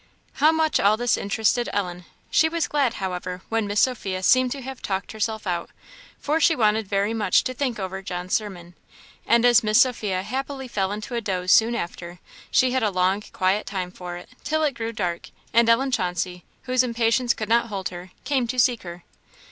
How much all this interested Ellen! She was glad, however, when Miss Sophia seemed to have talked herself out, for she wanted very much to think over John's sermon. And as Miss Sophia happily fell into a doze soon after, she had a long quiet time for it, till it grew dark, and Ellen Chauncey, whose impatience could hold no longer, came to seek her.